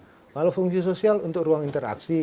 jadi kita harus mencari fungsi sosial untuk ruang terbuka hijau